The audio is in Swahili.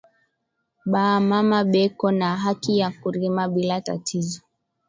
Ba mama beko na haki ya kurima bila tatizo